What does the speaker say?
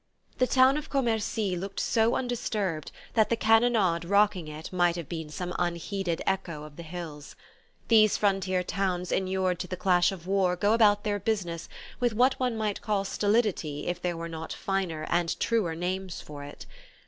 The town of Commercy looked so undisturbed that the cannonade rocking it might have been some unheeded echo of the hills. These frontier towns inured to the clash of war go about their business with what one might call stolidity if there were not finer, and truer, names for it.